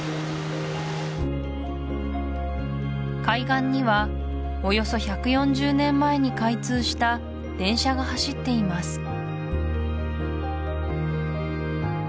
海岸にはおよそ１４０年前に開通した電車が走っています